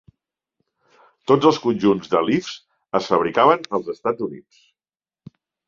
Tots els conjunts de Leafs es fabricaven als Estats Units.